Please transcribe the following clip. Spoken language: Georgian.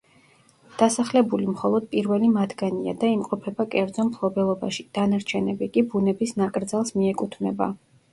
დასახლებული მხოლოდ პირველი მათგანია და იმყოფება კერძო მფლობელობაში, დანარჩენები კი ბუნების ნაკრძალს მიეკუთვნება.